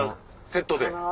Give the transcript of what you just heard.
セットで。